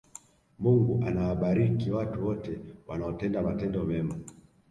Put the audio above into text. mungu anawabariki watu wote wanaotenda matendo mema